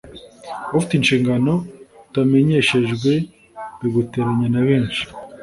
ufite inshingano utamenyeshejwe biguteranya na benshi